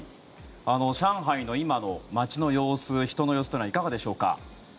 上海の今の街の様子人の様子はいかがでしょうか。